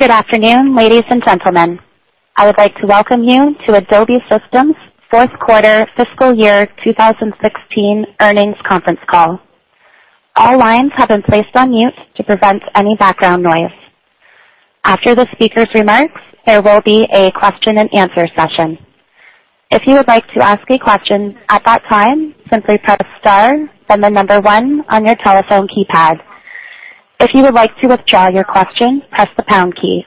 Good afternoon, ladies and gentlemen. I would like to welcome you to Adobe Systems' fourth quarter fiscal year 2016 earnings conference call. All lines have been placed on mute to prevent any background noise. After the speaker's remarks, there will be a question and answer session. If you would like to ask a question at that time, simply press star, then the number one on your telephone keypad. If you would like to withdraw your question, press the pound key.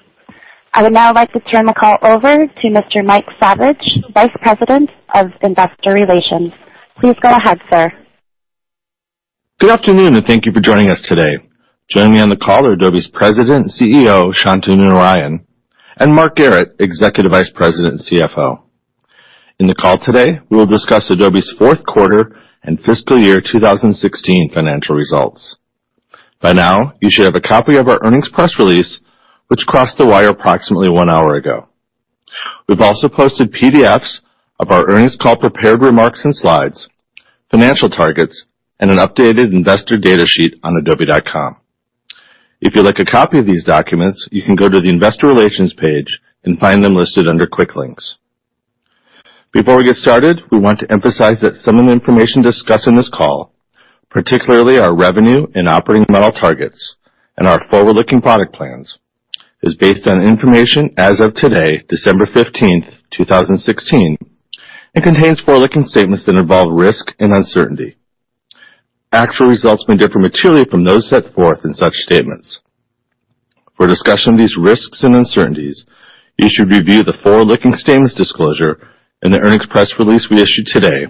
I would now like to turn the call over to Mr. Mike Saviage, Vice President of Investor Relations. Please go ahead, sir. Good afternoon. Thank you for joining us today. Joining me on the call are Adobe's President and CEO, Shantanu Narayen, and Mark Garrett, Executive Vice President and CFO. In the call today, we will discuss Adobe's fourth quarter and fiscal year 2016 financial results. By now, you should have a copy of our earnings press release, which crossed the wire approximately one hour ago. We've also posted PDFs of our earnings call prepared remarks and slides, financial targets, and an updated investor data sheet on adobe.com. If you'd like a copy of these documents, you can go to the investor relations page and find them listed under quick links. Before we get started, we want to emphasize that some of the information discussed on this call, particularly our revenue and operating model targets and our forward-looking product plans, is based on information as of today, December 15th, 2016, and contains forward-looking statements that involve risk and uncertainty. Actual results may differ materially from those set forth in such statements. For a discussion of these risks and uncertainties, you should review the forward-looking statements disclosure in the earnings press release we issued today,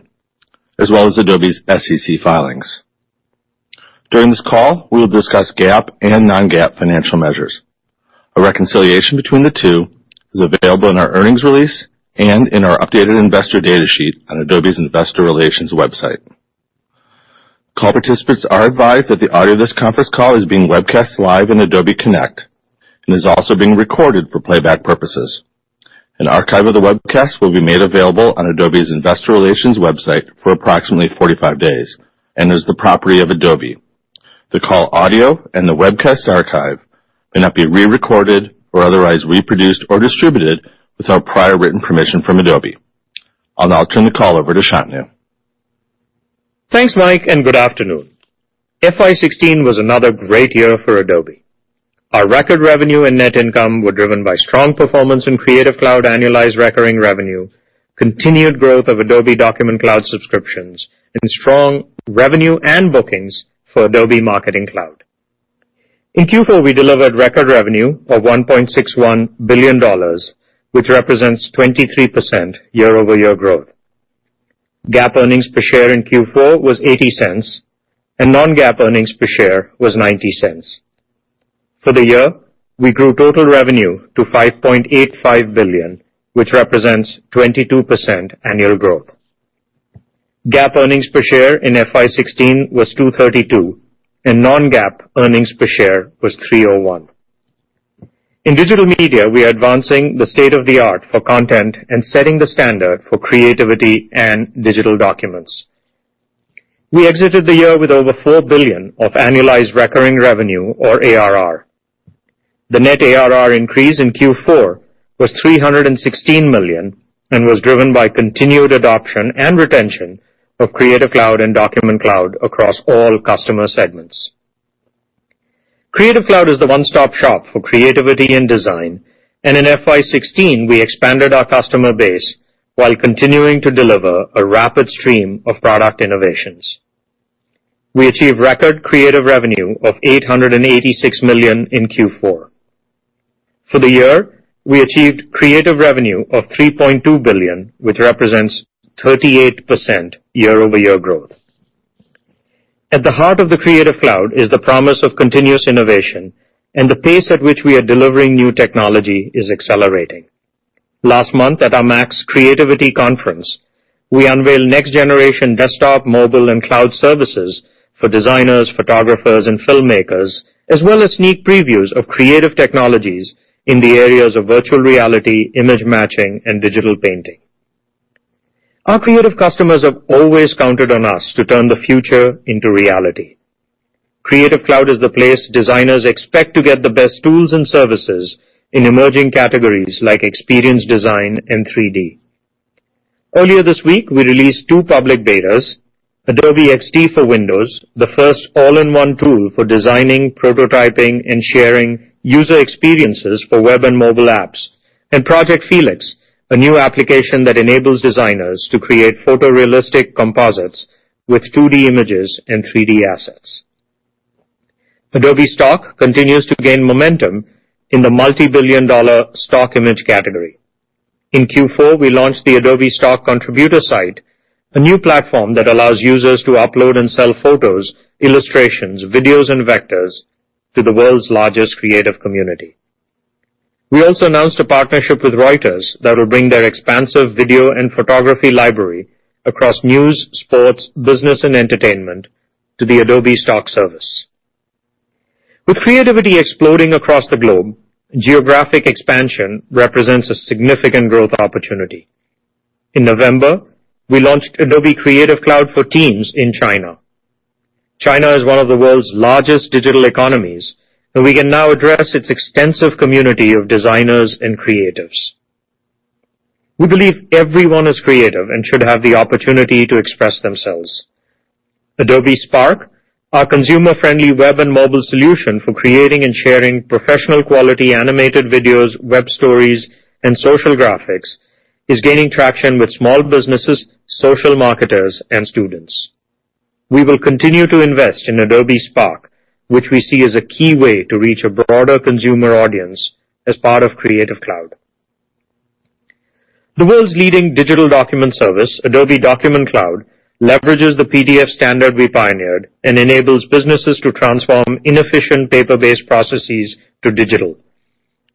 as well as Adobe's SEC filings. During this call, we will discuss GAAP and non-GAAP financial measures. A reconciliation between the two is available in our earnings release and in our updated investor data sheet on Adobe's investor relations website. Call participants are advised that the audio of this conference call is being webcast live on Adobe Connect and is also being recorded for playback purposes. An archive of the webcast will be made available on Adobe's investor relations website for approximately 45 days and is the property of Adobe. The call audio and the webcast archive may not be re-recorded or otherwise reproduced or distributed without prior written permission from Adobe. I'll now turn the call over to Shantanu. Thanks, Mike, and good afternoon. FY 2016 was another great year for Adobe. Our record revenue and net income were driven by strong performance in Creative Cloud annualized recurring revenue, continued growth of Adobe Document Cloud subscriptions, and strong revenue and bookings for Adobe Marketing Cloud. In Q4, we delivered record revenue of $1.61 billion, which represents 23% year-over-year growth. GAAP earnings per share in Q4 was $0.80, and non-GAAP earnings per share was $0.90. For the year, we grew total revenue to $5.85 billion, which represents 22% annual growth. GAAP earnings per share in FY 2016 was $2.32, and non-GAAP earnings per share was $3.01. In digital media, we are advancing the state-of-the-art for content and setting the standard for creativity and digital documents. We exited the year with over $4 billion of annualized recurring revenue or ARR. The net ARR increase in Q4 was $316 million and was driven by continued adoption and retention of Creative Cloud and Document Cloud across all customer segments. Creative Cloud is the one-stop shop for creativity and design. In FY 2016, we expanded our customer base while continuing to deliver a rapid stream of product innovations. We achieved record creative revenue of $886 million in Q4. For the year, we achieved creative revenue of $3.2 billion, which represents 38% year-over-year growth. At the heart of the Creative Cloud is the promise of continuous innovation. The pace at which we are delivering new technology is accelerating. Last month at our MAX Creativity Conference, we unveiled next generation desktop, mobile, and cloud services for designers, photographers, and filmmakers, as well as sneak previews of creative technologies in the areas of virtual reality, image matching, and digital painting. Our creative customers have always counted on us to turn the future into reality. Creative Cloud is the place designers expect to get the best tools and services in emerging categories like experience design and 3D. Earlier this week, we released two public betas, Adobe XD for Windows, the first all-in-one tool for designing, prototyping, and sharing user experiences for web and mobile apps, and Project Felix, a new application that enables designers to create photorealistic composites with 2D images and 3D assets. Adobe Stock continues to gain momentum in the multi-billion dollar stock image category. In Q4, we launched the Adobe Stock Contributor site, a new platform that allows users to upload and sell photos, illustrations, videos, and vectors to the world's largest creative community. We also announced a partnership with Reuters that will bring their expansive video and photography library across news, sports, business, and entertainment to the Adobe Stock service. With creativity exploding across the globe, geographic expansion represents a significant growth opportunity. In November, we launched Adobe Creative Cloud for teams in China. China is one of the world's largest digital economies. We can now address its extensive community of designers and creatives. We believe everyone is creative and should have the opportunity to express themselves. Adobe Spark, our consumer-friendly web and mobile solution for creating and sharing professional quality animated videos, web stories, and social graphics, is gaining traction with small businesses, social marketers, and students. We will continue to invest in Adobe Spark, which we see as a key way to reach a broader consumer audience as part of Creative Cloud. The world's leading digital document service, Adobe Document Cloud, leverages the PDF standard we pioneered and enables businesses to transform inefficient paper-based processes to digital.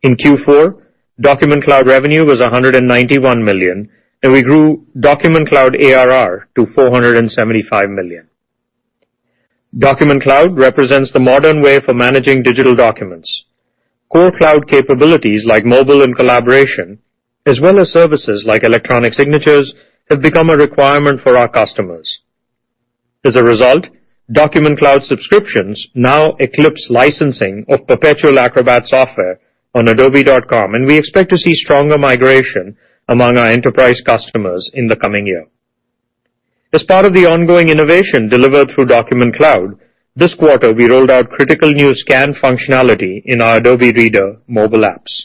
In Q4, Document Cloud revenue was $191 million, and we grew Document Cloud ARR to $475 million. Document Cloud represents the modern way for managing digital documents. Core cloud capabilities like mobile and collaboration, as well as services like electronic signatures, have become a requirement for our customers. As a result, Document Cloud subscriptions now eclipse licensing of perpetual Acrobat software on adobe.com, and we expect to see stronger migration among our enterprise customers in the coming year. As part of the ongoing innovation delivered through Document Cloud, this quarter, we rolled out critical new scan functionality in our Adobe Reader mobile apps.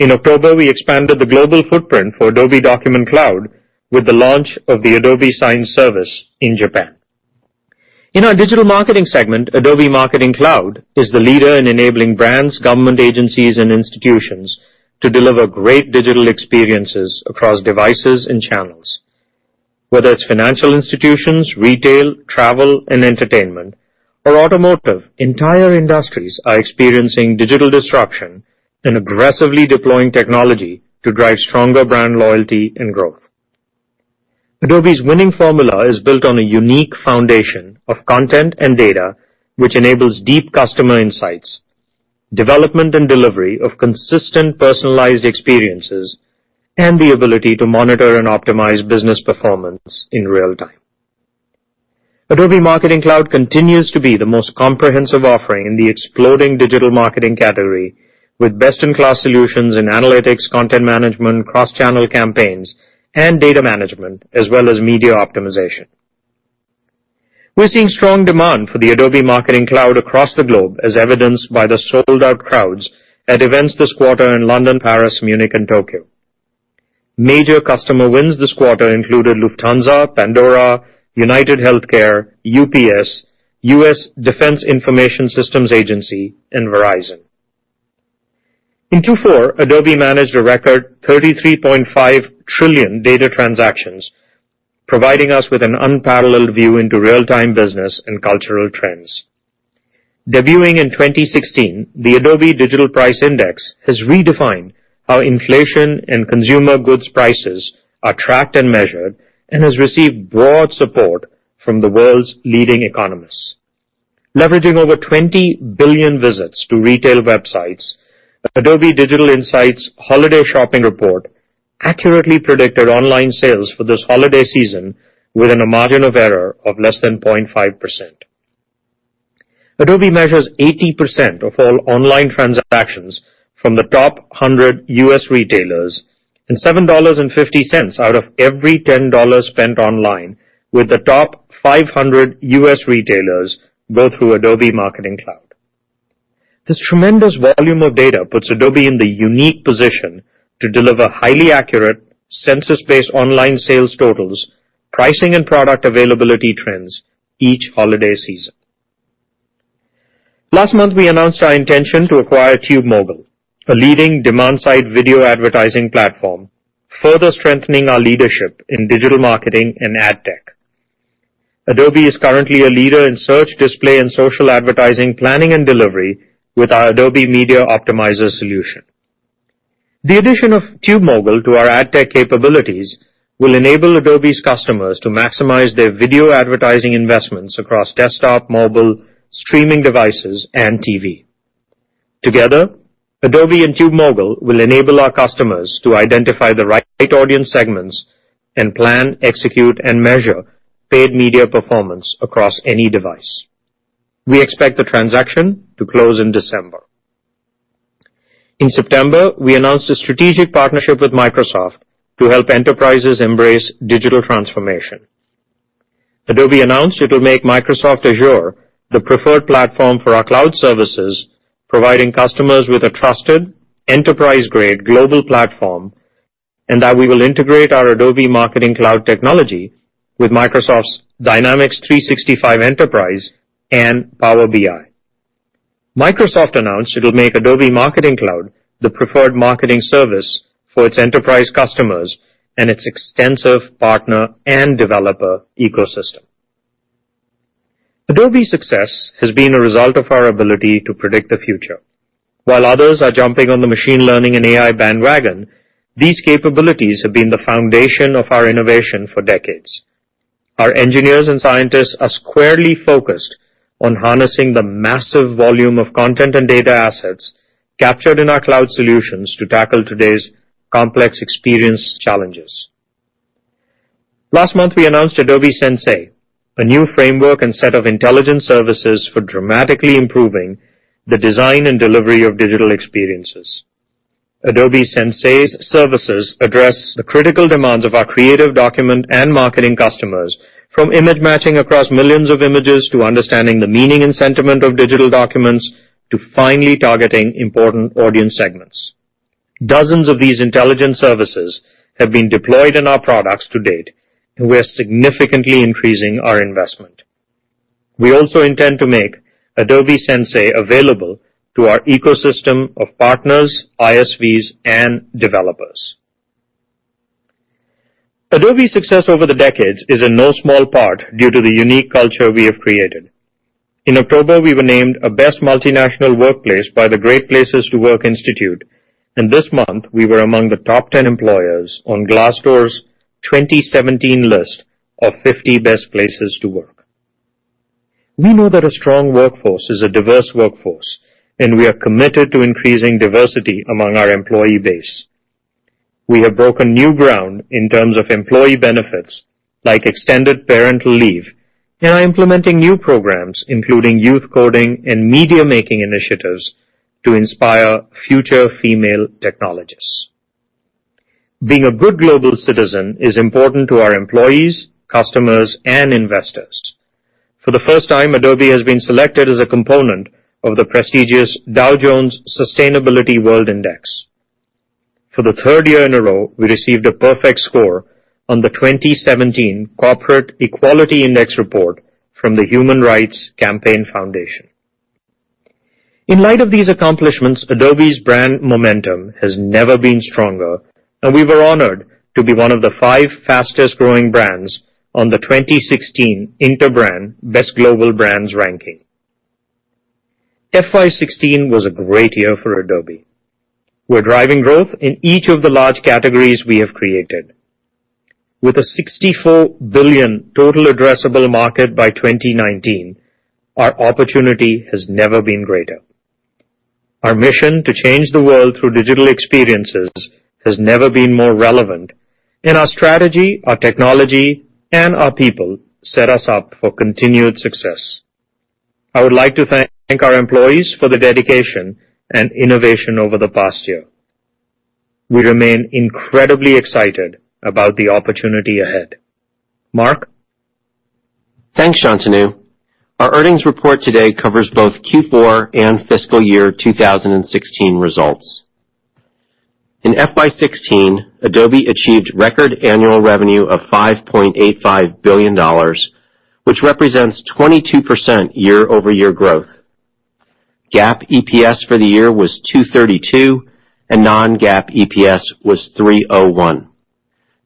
In October, we expanded the global footprint for Adobe Document Cloud with the launch of the Adobe Sign service in Japan. In our digital marketing segment, Adobe Marketing Cloud is the leader in enabling brands, government agencies, and institutions to deliver great digital experiences across devices and channels. Whether it's financial institutions, retail, travel and entertainment, or automotive, entire industries are experiencing digital disruption and aggressively deploying technology to drive stronger brand loyalty and growth. Adobe's winning formula is built on a unique foundation of content and data which enables deep customer insights, development and delivery of consistent personalized experiences, and the ability to monitor and optimize business performance in real time. Adobe Marketing Cloud continues to be the most comprehensive offering in the exploding digital marketing category, with best-in-class solutions in analytics, content management, cross-channel campaigns, and data management, as well as media optimization. We're seeing strong demand for the Adobe Marketing Cloud across the globe, as evidenced by the sold-out crowds at events this quarter in London, Paris, Munich, and Tokyo. Major customer wins this quarter included Lufthansa, Pandora, UnitedHealthcare, UPS, U.S. Defense Information Systems Agency, and Verizon. In Q4, Adobe managed a record 33.5 trillion data transactions, providing us with an unparalleled view into real-time business and cultural trends. Debuting in 2016, the Adobe Digital Price Index has redefined how inflation and consumer goods prices are tracked and measured and has received broad support from the world's leading economists. Leveraging over 20 billion visits to retail websites, Adobe Digital Insights Holiday Shopping Report accurately predicted online sales for this holiday season within a margin of error of less than 0.5%. Adobe measures 80% of all online transactions from the top 100 U.S. retailers. $7.50 out of every $10 spent online with the top 500 U.S. retailers go through Adobe Marketing Cloud. This tremendous volume of data puts Adobe in the unique position to deliver highly accurate, census-based online sales totals, pricing and product availability trends each holiday season. Last month, we announced our intention to acquire TubeMogul, a leading demand-side video advertising platform, further strengthening our leadership in digital marketing and ad tech. Adobe is currently a leader in search, display, and social advertising planning and delivery with our Adobe Media Optimizer solution. The addition of TubeMogul to our ad tech capabilities will enable Adobe's customers to maximize their video advertising investments across desktop, mobile, streaming devices, and TV. Together, Adobe and TubeMogul will enable our customers to identify the right audience segments and plan, execute, and measure paid media performance across any device. We expect the transaction to close in December. In September, we announced a strategic partnership with Microsoft to help enterprises embrace digital transformation. Adobe announced it will make Microsoft Azure the preferred platform for our cloud services, providing customers with a trusted, enterprise-grade global platform, and that we will integrate our Adobe Marketing Cloud technology with Microsoft's Dynamics 365 Enterprise and Power BI. Microsoft announced it will make Adobe Marketing Cloud the preferred marketing service for its enterprise customers and its extensive partner and developer ecosystem. Adobe's success has been a result of our ability to predict the future. While others are jumping on the machine learning and AI bandwagon, these capabilities have been the foundation of our innovation for decades. Our engineers and scientists are squarely focused on harnessing the massive volume of content and data assets captured in our cloud solutions to tackle today's complex experience challenges. Last month, we announced Adobe Sensei, a new framework and set of intelligence services for dramatically improving the design and delivery of digital experiences. Adobe Sensei's services address the critical demands of our creative document and marketing customers, from image matching across millions of images to understanding the meaning and sentiment of digital documents, to finally targeting important audience segments. Dozens of these intelligence services have been deployed in our products to date, and we are significantly increasing our investment. We also intend to make Adobe Sensei available to our ecosystem of partners, ISVs, and developers. Adobe's success over the decades is in no small part due to the unique culture we have created. In October, we were named a best multinational workplace by the Great Place to Work Institute. This month, we were among the top 10 employers on Glassdoor's 2017 list of 50 best places to work. We know that a strong workforce is a diverse workforce. We are committed to increasing diversity among our employee base. We have broken new ground in terms of employee benefits like extended parental leave. We are implementing new programs, including youth coding and media-making initiatives to inspire future female technologists. Being a good global citizen is important to our employees, customers, and investors. For the first time, Adobe has been selected as a component of the prestigious Dow Jones Sustainability World Index. For the third year in a row, we received a perfect score on the 2017 Corporate Equality Index report from the Human Rights Campaign Foundation. In light of these accomplishments, Adobe's brand momentum has never been stronger. We were honored to be one of the five fastest-growing brands on the 2016 Interbrand Best Global Brands ranking. FY 2016 was a great year for Adobe. We're driving growth in each of the large categories we have created. With a $64 billion total addressable market by 2019, our opportunity has never been greater. Our mission to change the world through digital experiences has never been more relevant. Our strategy, our technology, and our people set us up for continued success. I would like to thank our employees for their dedication and innovation over the past year. We remain incredibly excited about the opportunity ahead. Mark? Thanks, Shantanu. Our earnings report today covers both Q4 and fiscal year 2016 results. In FY 2016, Adobe achieved record annual revenue of $5.85 billion, which represents 22% year-over-year growth. GAAP EPS for the year was 2.32, and non-GAAP EPS was 3.01.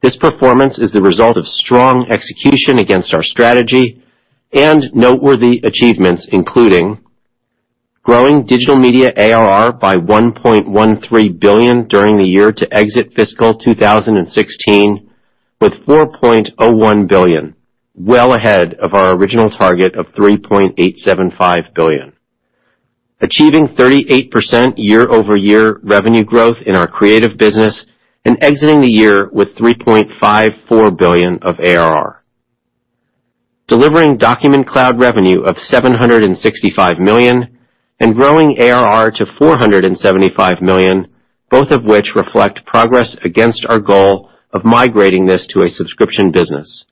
This performance is the result of strong execution against our strategy and noteworthy achievements, including growing Digital Media ARR by $1.13 billion during the year to exit fiscal 2016 with $4.01 billion, well ahead of our original target of $3.875 billion. Achieving 38% year-over-year revenue growth in our Creative business and exiting the year with $3.54 billion of ARR. Delivering Document Cloud revenue of $765 million and growing ARR to $475 million, both of which reflect progress against our goal of migrating this to a subscription business.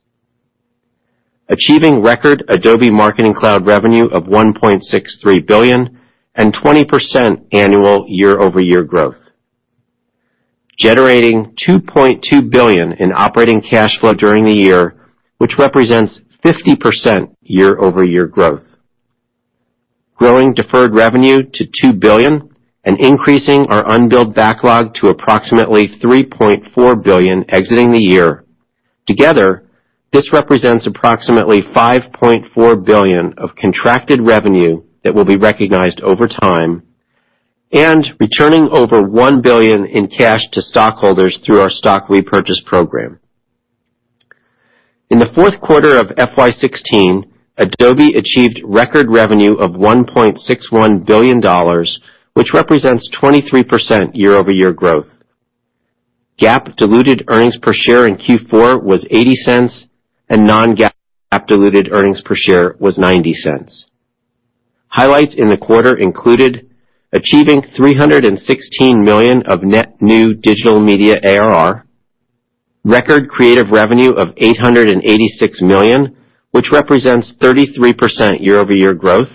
Achieving record Adobe Marketing Cloud revenue of $1.63 billion and 20% annual year-over-year growth. Generating $2.2 billion in operating cash flow during the year, which represents 50% year-over-year growth. Growing deferred revenue to $2 billion and increasing our unbilled backlog to approximately $3.4 billion exiting the year. Together, this represents approximately $5.4 billion of contracted revenue that will be recognized over time and returning over $1 billion in cash to stockholders through our stock repurchase program. In the fourth quarter of FY 2016, Adobe achieved record revenue of $1.61 billion, which represents 23% year-over-year growth. GAAP diluted earnings per share in Q4 was $0.80, and non-GAAP diluted earnings per share was $0.90. Highlights in the quarter included achieving $316 million of net new Digital Media ARR, record Creative revenue of $886 million, which represents 33% year-over-year growth,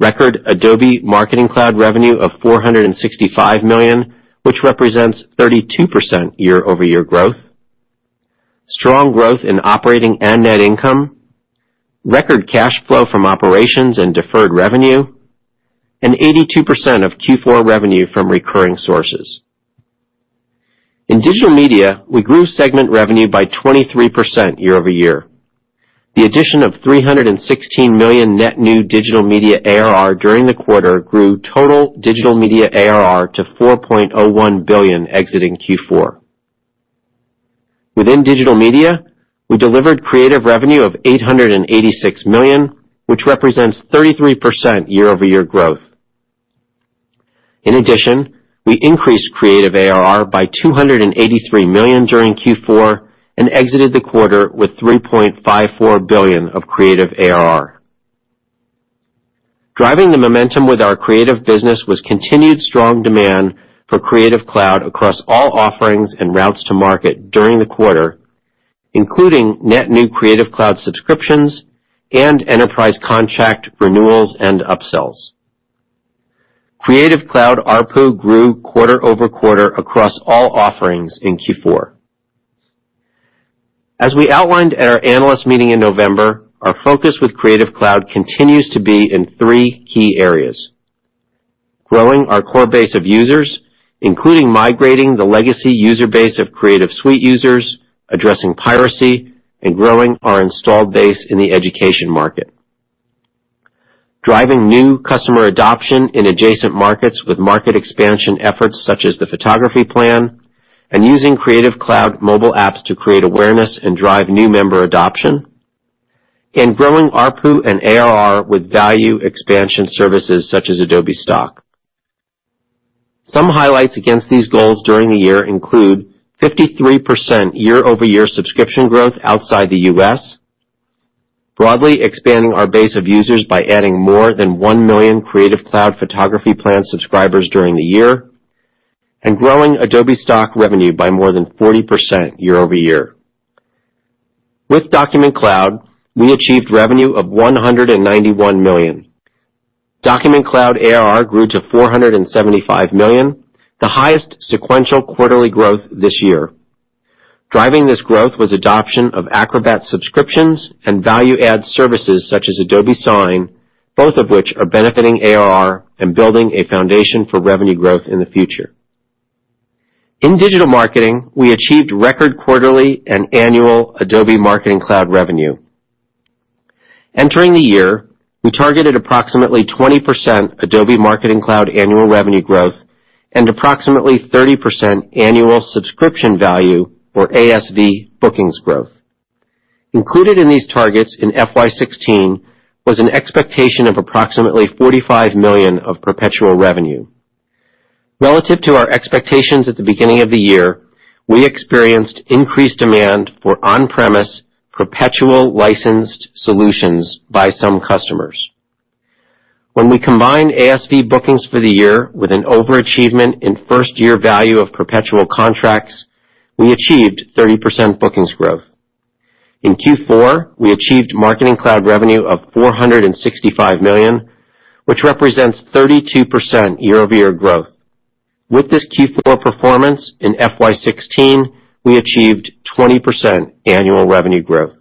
record Adobe Marketing Cloud revenue of $465 million, which represents 32% year-over-year growth, strong growth in operating and net income, record cash flow from operations and deferred revenue, and 82% of Q4 revenue from recurring sources. In Digital Media, we grew segment revenue by 23% year-over-year. The addition of $316 million net new Digital Media ARR during the quarter grew total Digital Media ARR to $4.01 billion exiting Q4. Within Digital Media, we delivered Creative revenue of $886 million, which represents 33% year-over-year growth. In addition, we increased Creative ARR by $283 million during Q4 and exited the quarter with $3.54 billion of Creative ARR. Driving the momentum with our Creative business was continued strong demand for Creative Cloud across all offerings and routes to market during the quarter, including net new Creative Cloud subscriptions and enterprise contract renewals and upsells. Creative Cloud ARPU grew quarter-over-quarter across all offerings in Q4. As we outlined at our Financial Analyst Meeting in November, our focus with Creative Cloud continues to be in three key areas. Growing our core base of users, including migrating the legacy user base of Creative Suite users, addressing piracy, and growing our installed base in the education market. Driving new customer adoption in adjacent markets with market expansion efforts such as the Photography Plan and using Creative Cloud mobile apps to create awareness and drive new member adoption. Growing ARPU and ARR with value expansion services such as Adobe Stock. Some highlights against these goals during the year include 53% year-over-year subscription growth outside the U.S., broadly expanding our base of users by adding more than 1 million Creative Cloud Photography Plan subscribers during the year, and growing Adobe Stock revenue by more than 40% year-over-year. With Document Cloud, we achieved revenue of $191 million. Document Cloud ARR grew to $475 million, the highest sequential quarterly growth this year. Driving this growth was adoption of Acrobat subscriptions and value-add services such as Adobe Sign, both of which are benefiting ARR and building a foundation for revenue growth in the future. In digital marketing, we achieved record quarterly and annual Adobe Marketing Cloud revenue. Entering the year, we targeted approximately 20% Adobe Marketing Cloud annual revenue growth and approximately 30% annual subscription value, or ASV, bookings growth. Included in these targets in FY 2016 was an expectation of approximately $45 million of perpetual revenue. Relative to our expectations at the beginning of the year, we experienced increased demand for on-premise perpetual licensed solutions by some customers. When we combined ASV bookings for the year with an overachievement in first year value of perpetual contracts, we achieved 30% bookings growth. In Q4, we achieved Marketing Cloud revenue of $465 million, which represents 32% year-over-year growth. With this Q4 performance in FY 2016, we achieved 20% annual revenue growth.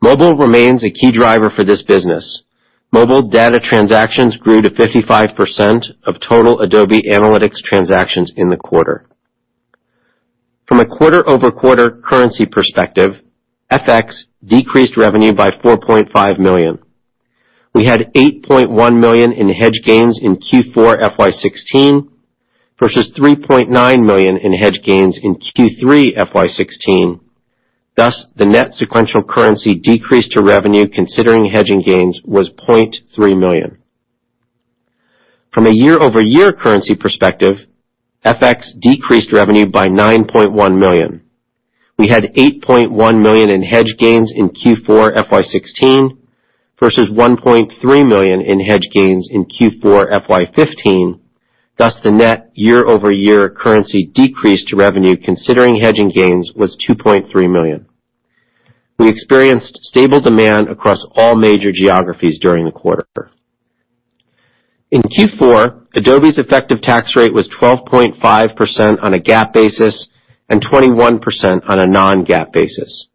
Mobile remains a key driver for this business. Mobile data transactions grew to 55% of total Adobe Analytics transactions in the quarter. From a quarter-over-quarter currency perspective, FX decreased revenue by $4.5 million. We had $8.1 million in hedge gains in Q4 FY 2016, versus $3.9 million in hedge gains in Q3 FY 2016. Thus, the net sequential currency decrease to revenue considering hedging gains was $0.3 million. From a year-over-year currency perspective, FX decreased revenue by $9.1 million. We had $8.1 million in hedge gains in Q4 FY 2016 versus $1.3 million in hedge gains in Q4 FY 2015. Thus, the net year-over-year currency decrease to revenue considering hedging gains was $2.3 million. We experienced stable demand across all major geographies during the quarter. In Q4, Adobe's effective tax rate was 12.5% on a GAAP basis and 21% on a non-GAAP basis.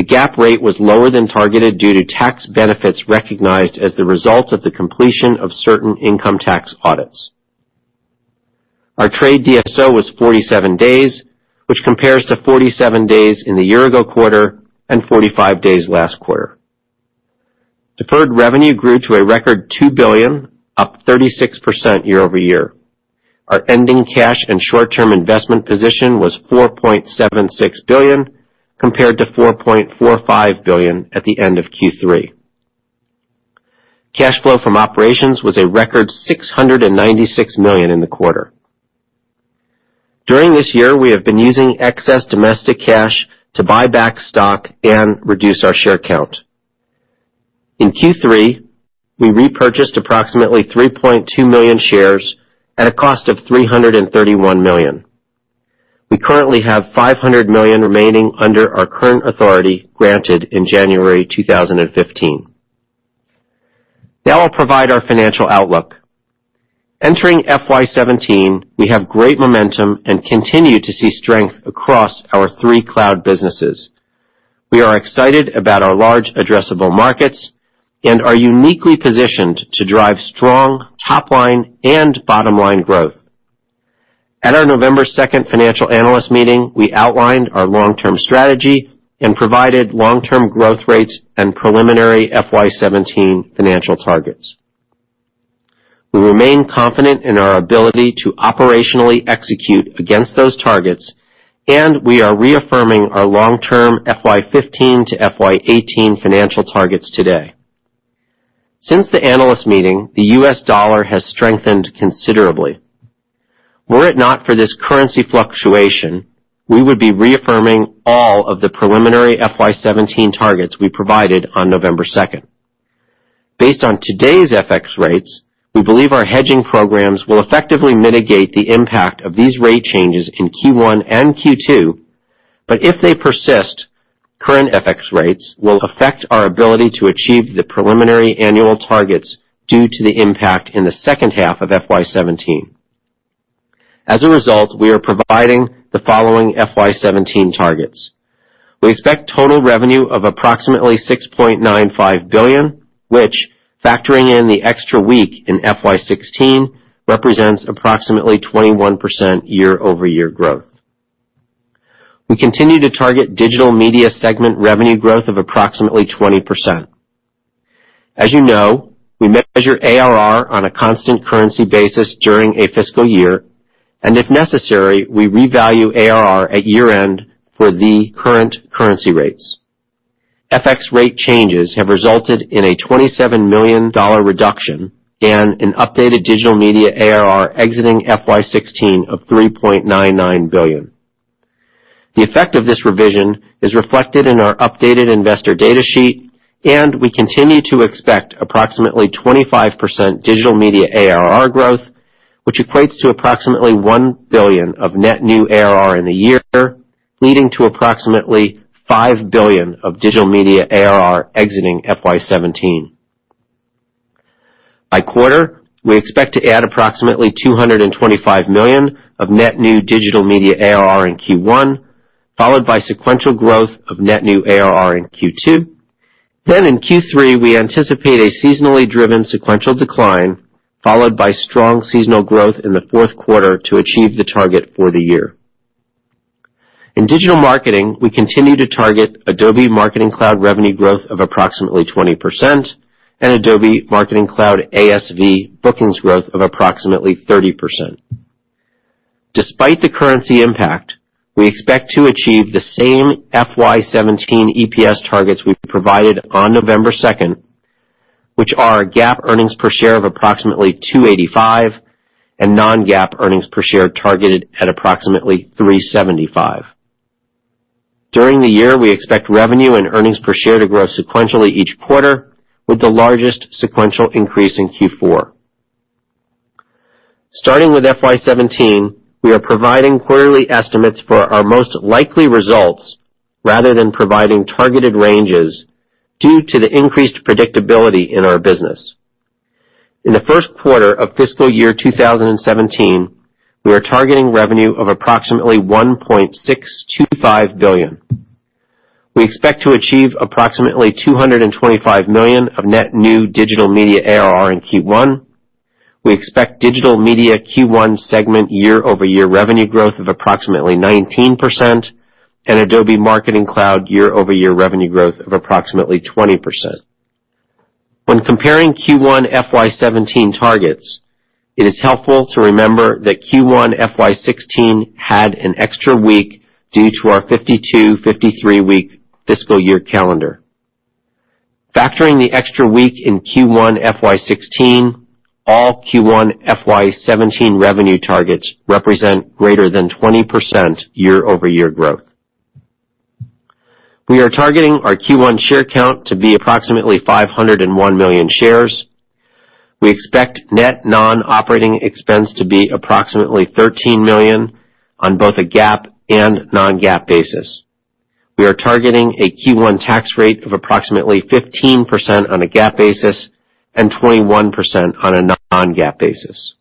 The GAAP rate was lower than targeted due to tax benefits recognized as the result of the completion of certain income tax audits. Our trade DSO was 47 days, which compares to 47 days in the year-ago quarter and 45 days last quarter. Deferred revenue grew to a record $2 billion, up 36% year-over-year. Our ending cash and short-term investment position was $4.76 billion, compared to $4.45 billion at the end of Q3. Cash flow from operations was a record $696 million in the quarter. During this year, we have been using excess domestic cash to buy back stock and reduce our share count. In Q3, we repurchased approximately 3.2 million shares at a cost of $331 million. We currently have $500 million remaining under our current authority granted in January 2015. Now I'll provide our financial outlook. Entering FY 2017, we have great momentum and continue to see strength across our three cloud businesses. We are excited about our large addressable markets and are uniquely positioned to drive strong top-line and bottom-line growth. At our November 2 Financial Analyst Meeting, we outlined our long-term strategy and provided long-term growth rates and preliminary FY 2017 financial targets. We remain confident in our ability to operationally execute against those targets, we are reaffirming our long-term FY 2015 to FY 2018 financial targets today. Since the Financial Analyst Meeting, the U.S. dollar has strengthened considerably. Were it not for this currency fluctuation, we would be reaffirming all of the preliminary FY 2017 targets we provided on November 2. Based on today's FX rates, we believe our hedging programs will effectively mitigate the impact of these rate changes in Q1 and Q2. If they persist, current FX rates will affect our ability to achieve the preliminary annual targets due to the impact in the second half of FY 2017. As a result, we are providing the following FY 2017 targets. We expect total revenue of approximately $6.95 billion, which, factoring in the extra week in FY 2016, represents approximately 21% year-over-year growth. We continue to target Digital Media segment revenue growth of approximately 20%. As you know, we measure ARR on a constant currency basis during a fiscal year, if necessary, we revalue ARR at year-end for the current currency rates. FX rate changes have resulted in a $27 million reduction and an updated Digital Media ARR exiting FY 2016 of $3.99 billion. The effect of this revision is reflected in our updated investor data sheet, we continue to expect approximately 25% Digital Media ARR growth, which equates to approximately $1 billion of net new ARR in a year, leading to approximately $5 billion of Digital Media ARR exiting FY 2017. By quarter, we expect to add approximately $225 million of net new Digital Media ARR in Q1, followed by sequential growth of net new ARR in Q2. In Q3, we anticipate a seasonally driven sequential decline, followed by strong seasonal growth in the fourth quarter to achieve the target for the year. In digital marketing, we continue to target Adobe Marketing Cloud revenue growth of approximately 20% and Adobe Marketing Cloud ASV bookings growth of approximately 30%. Despite the currency impact, we expect to achieve the same FY 2017 EPS targets we provided on November 2, which are GAAP earnings per share of approximately $2.85 and non-GAAP earnings per share targeted at approximately $3.75. During the year, we expect revenue and earnings per share to grow sequentially each quarter, with the largest sequential increase in Q4. Starting with FY 2017, we are providing quarterly estimates for our most likely results rather than providing targeted ranges due to the increased predictability in our business. In the first quarter of fiscal year 2017, we are targeting revenue of approximately $1.625 billion. We expect to achieve approximately $225 million of net new Digital Media ARR in Q1. We expect Digital Media Q1 segment year-over-year revenue growth of approximately 19% and Adobe Marketing Cloud year-over-year revenue growth of approximately 20%. When comparing Q1 FY 2017 targets, it is helpful to remember that Q1 FY 2016 had an extra week due to our 52, 53-week fiscal year calendar. Factoring the extra week in Q1 FY 2016, all Q1 FY 2017 revenue targets represent greater than 20% year-over-year growth. We are targeting our Q1 share count to be approximately 501 million shares. We expect net non-operating expense to be approximately $13 million on both a GAAP and non-GAAP basis. We are targeting a Q1 tax rate of approximately 15% on a GAAP basis and 21% on a non-GAAP basis.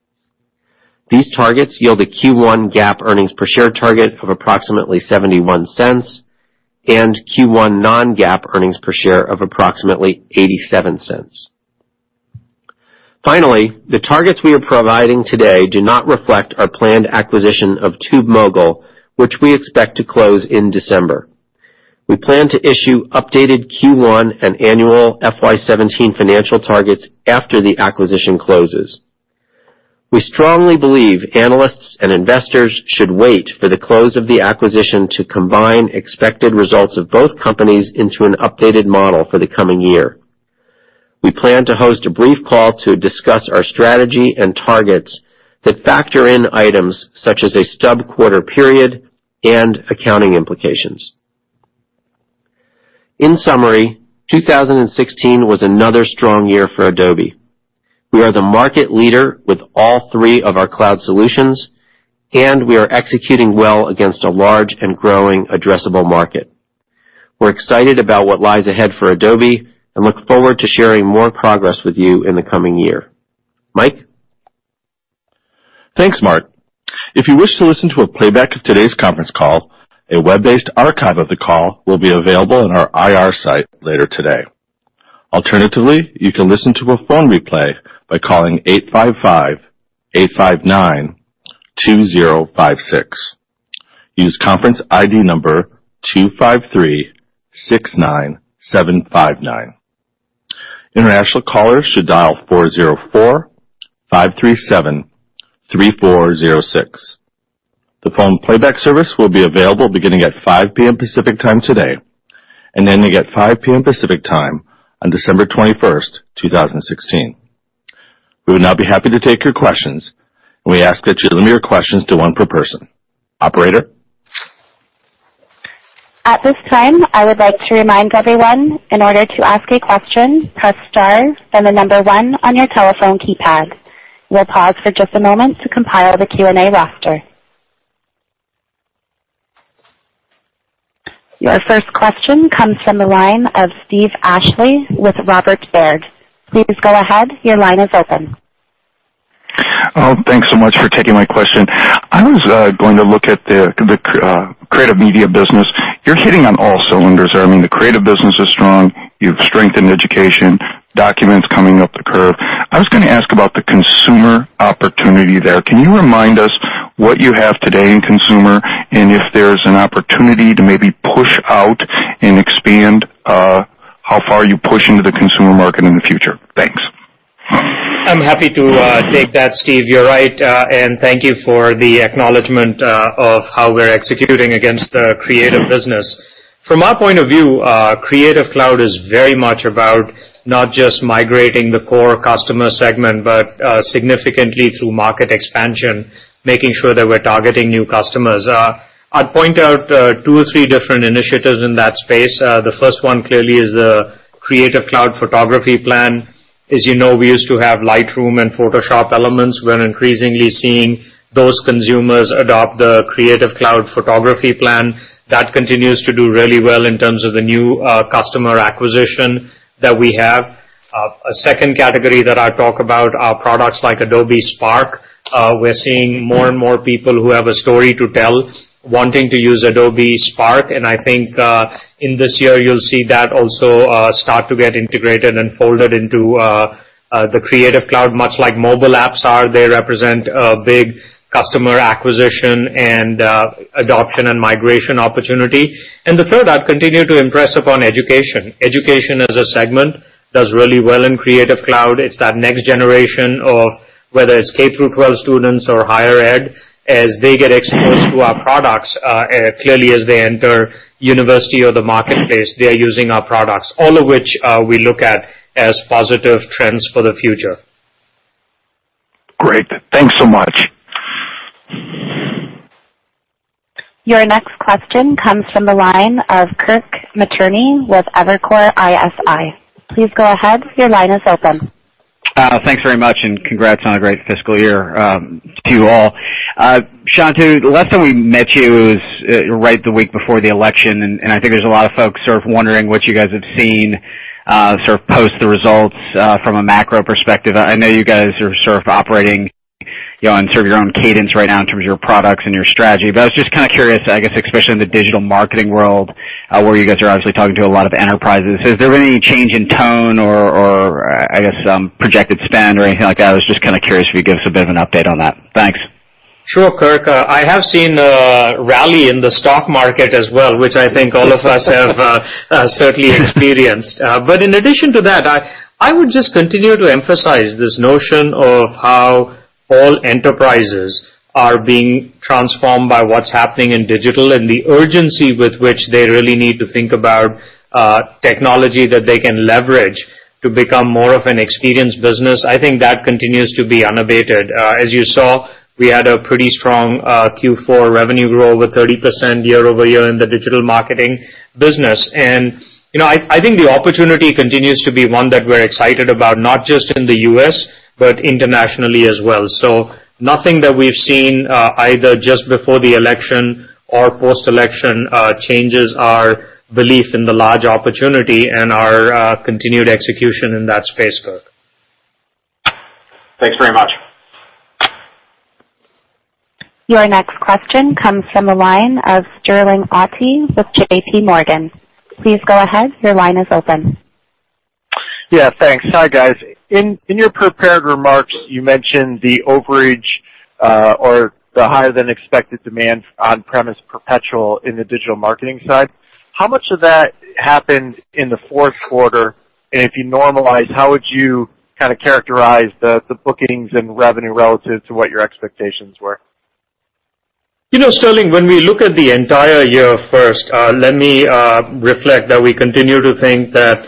These targets yield a Q1 GAAP earnings per share target of approximately $0.71 and Q1 non-GAAP earnings per share of approximately $0.87. The targets we are providing today do not reflect our planned acquisition of TubeMogul, which we expect to close in December. We plan to issue updated Q1 and annual FY 2017 financial targets after the acquisition closes. We strongly believe analysts and investors should wait for the close of the acquisition to combine expected results of both companies into an updated model for the coming year. We plan to host a brief call to discuss our strategy and targets that factor in items such as a stub quarter period and accounting implications. In summary, 2016 was another strong year for Adobe. We are the market leader with all three of our cloud solutions, and we are executing well against a large and growing addressable market. We are excited about what lies ahead for Adobe and look forward to sharing more progress with you in the coming year. Mike? Thanks, Mark. If you wish to listen to a playback of today's conference call, a web-based archive of the call will be available on our IR site later today. Alternatively, you can listen to a phone replay by calling 855-859-2056. Use conference ID number 25369759. International callers should dial 404-537-3406. The phone playback service will be available beginning at 5:00 P.M. Pacific Time today and ending at 5:00 P.M. Pacific Time on December 21st, 2016. We would now be happy to take your questions, and we ask that you limit your questions to one per person. Operator? At this time, I would like to remind everyone, in order to ask a question, press star, then the number one on your telephone keypad. We will pause for just a moment to compile the Q&A roster. Your first question comes from the line of Steve Ashley with Robert Baird. Please go ahead. Your line is open. Thanks so much for taking my question. I was going to look at the Creative media business. You are hitting on all cylinders there. I mean, the Creative business is strong. You have strengthened education, documents coming up the curve. I was going to ask about the consumer opportunity there. Can you remind us what you have today in consumer and if there is an opportunity to maybe push out and expand, how far are you pushing to the consumer market in the future? Thanks. I'm happy to take that, Steve. You're right. Thank you for the acknowledgment of how we're executing against the Creative business. From our point of view, Creative Cloud is very much about not just migrating the core customer segment, but significantly through market expansion, making sure that we're targeting new customers. I'd point out two or three different initiatives in that space. The first one clearly is the Creative Cloud Photography plan. You know, we used to have Lightroom and Photoshop Elements. We're increasingly seeing those consumers adopt the Creative Cloud Photography plan. That continues to do really well in terms of the new customer acquisition that we have. A second category that I talk about are products like Adobe Spark. We're seeing more and more people who have a story to tell wanting to use Adobe Spark. I think in this year, you'll see that also start to get integrated and folded into the Creative Cloud, much like mobile apps are. They represent a big customer acquisition and adoption and migration opportunity. The third, I'd continue to impress upon education. Education as a segment does really well in Creative Cloud. It's that next generation of whether it's K through 12 students or higher ed, as they get exposed to our products, clearly as they enter university or the marketplace, they are using our products, all of which we look at as positive trends for the future. Great. Thanks so much. Your next question comes from the line of Kirk Materne with Evercore ISI. Please go ahead. Your line is open. Thanks very much, and congrats on a great fiscal year to you all. Shantanu, the last time we met you was right the week before the election. I think there's a lot of folks sort of wondering what you guys have seen sort of post the results from a macro perspective. I know you guys are sort of operating on sort of your own cadence right now in terms of your products and your strategy. I was just kind of curious, I guess, especially in the digital marketing world, where you guys are obviously talking to a lot of enterprises. Has there been any change in tone or I guess projected spend or anything like that? I was just kind of curious if you could give us a bit of an update on that. Thanks. Sure, Kirk. I have seen a rally in the stock market as well, which I think all of us have certainly experienced. In addition to that, I would just continue to emphasize this notion of how all enterprises are being transformed by what's happening in digital and the urgency with which they really need to think about technology that they can leverage to become more of an experience business. I think that continues to be unabated. As you saw, we had a pretty strong Q4 revenue growth of 30% year-over-year in the digital marketing business. I think the opportunity continues to be one that we're excited about, not just in the U.S., but internationally as well. Nothing that we've seen either just before the election or post-election changes our belief in the large opportunity and our continued execution in that space, Kirk. Thanks very much. Your next question comes from the line of Sterling Auty with JP Morgan. Please go ahead. Your line is open. Thanks. Hi, guys. In your prepared remarks, you mentioned the overage or the higher than expected demand on-premise perpetual in the digital marketing side. How much of that happened in the fourth quarter? If you normalize, how would you kind of characterize the bookings and revenue relative to what your expectations were? You know, Sterling, when we look at the entire year first, let me reflect that we continue to think that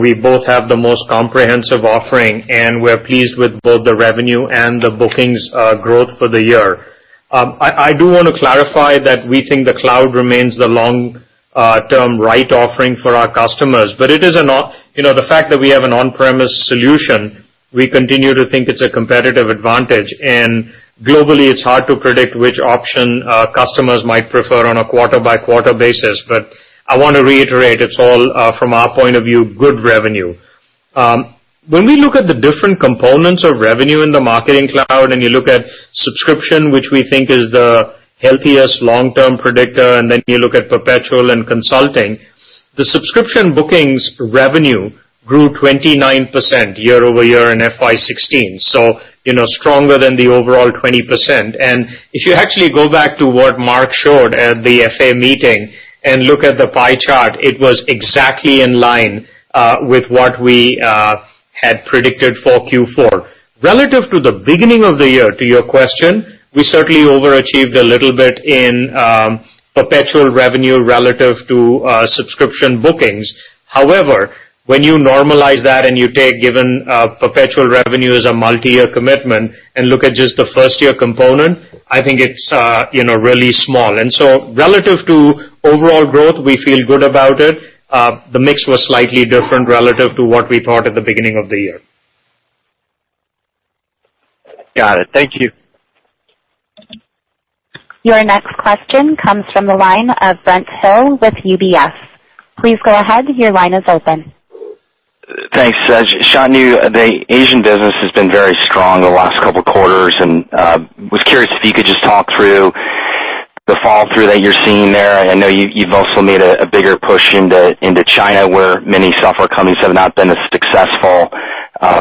we both have the most comprehensive offering, we're pleased with both the revenue and the bookings growth for the year. I do want to clarify that we think the cloud remains the long-term right offering for our customers. The fact that we have an on-premise solution, we continue to think it's a competitive advantage, globally, it's hard to predict which option our customers might prefer on a quarter-by-quarter basis. I want to reiterate, it's all from our point of view, good revenue. When we look at the different components of revenue in the Marketing Cloud, you look at subscription, which we think is the healthiest long-term predictor, then you look at perpetual and consulting, the subscription bookings revenue grew 29% year-over-year in FY 2016. Stronger than the overall 20%. If you actually go back to what Mark showed at the Financial Analyst Meeting and look at the pie chart, it was exactly in line with what we had predicted for Q4. Relative to the beginning of the year, to your question, we certainly overachieved a little bit in perpetual revenue relative to subscription bookings. However, when you normalize that and you take, given perpetual revenue as a multi-year commitment, and look at just the first-year component, I think it's really small. Relative to overall growth, we feel good about it. The mix was slightly different relative to what we thought at the beginning of the year. Got it. Thank you. Your next question comes from the line of Brent Thill with UBS. Please go ahead, your line is open. Thanks. Shanu, the Asian business has been very strong the last couple of quarters. Was curious if you could just talk through the fall through that you're seeing there. I know you've also made a bigger push into China, where many software companies have not been as successful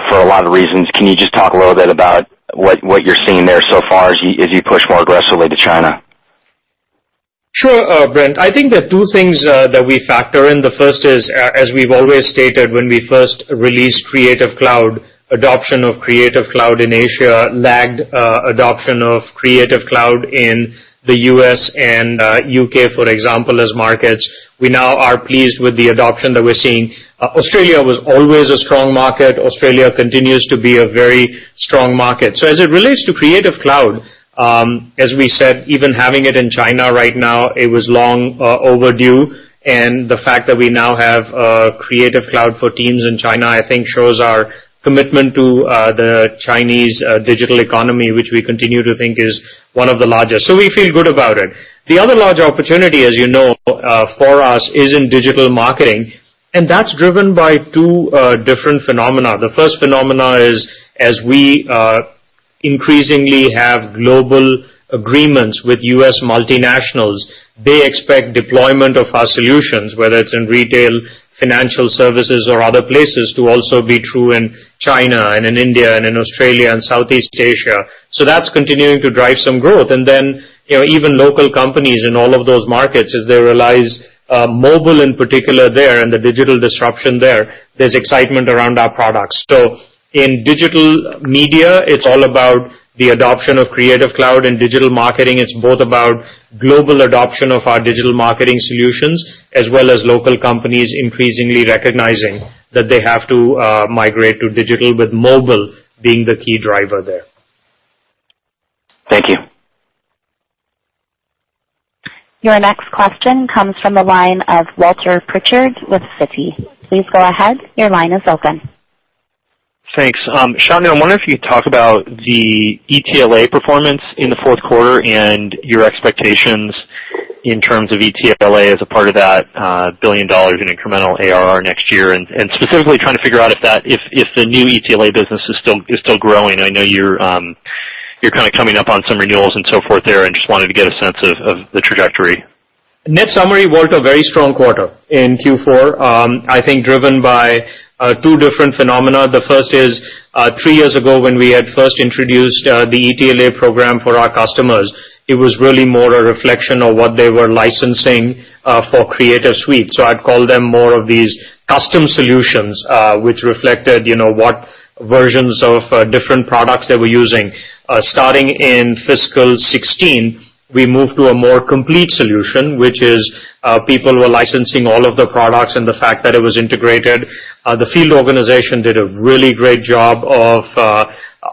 for a lot of reasons. Can you just talk a little bit about what you're seeing there so far as you push more aggressively to China? Sure, Brent. I think there are two things that we factor in. The first is as we've always stated when we first released Creative Cloud, adoption of Creative Cloud in Asia lagged adoption of Creative Cloud in the U.S. and U.K., for example, as markets. We now are pleased with the adoption that we're seeing. Australia was always a strong market. Australia continues to be a very strong market. As it relates to Creative Cloud, as we said, even having it in China right now, it was long overdue. The fact that we now have Creative Cloud for teams in China, I think, shows our commitment to the Chinese digital economy, which we continue to think is one of the largest. We feel good about it. The other large opportunity, as you know, for us, is in digital marketing, and that's driven by two different phenomena. The first phenomenon is as we increasingly have global agreements with U.S. multinationals, they expect deployment of our solutions, whether it's in retail, financial services, or other places, to also be true in China and in India and in Australia and Southeast Asia. That's continuing to drive some growth. Even local companies in all of those markets, as they realize mobile, in particular there, and the digital disruption there's excitement around our products. In digital media, it's all about the adoption of Creative Cloud and digital marketing. It's both about global adoption of our digital marketing solutions, as well as local companies increasingly recognizing that they have to migrate to digital, with mobile being the key driver there. Thank you. Your next question comes from the line of Walter Pritchard with Citi. Please go ahead. Your line is open. Thanks. Shanu, I wonder if you could talk about the ETLA performance in the fourth quarter and your expectations in terms of ETLA as a part of that $1 billion in incremental ARR next year. Specifically trying to figure out if the new ETLA business is still growing. I know you're kind of coming up on some renewals and so forth there and just wanted to get a sense of the trajectory. Net summary, Walter Pritchard, very strong quarter in Q4. I think driven by two different phenomena. The first is, three years ago when we had first introduced the ETLA program for our customers, it was really more a reflection of what they were licensing for Creative Suite. I'd call them more of these custom solutions, which reflected what versions of different products they were using. Starting in fiscal 2016, we moved to a more complete solution, which is people were licensing all of the products and the fact that it was integrated. The field organization did a really great job of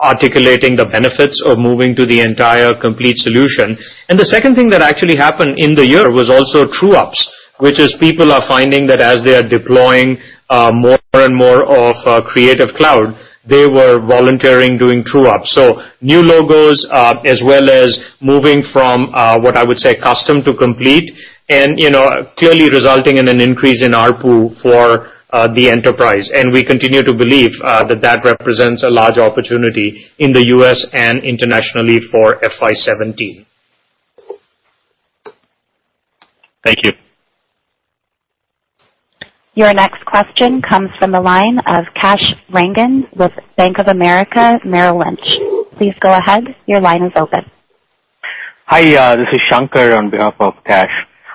articulating the benefits of moving to the entire complete solution. The second thing that actually happened in the year was also true-ups, which is people are finding that as they are deploying more and more of Creative Cloud, they were volunteering doing true-ups. New logos, as well as moving from what I would say custom to complete, clearly resulting in an increase in ARPU for the enterprise. We continue to believe that that represents a large opportunity in the U.S. and internationally for FY 2017. Thank you. Your next question comes from the line of Kash Rangan with Bank of America Merrill Lynch. Please go ahead. Your line is open. Hi, this is Shankar on behalf of Kash.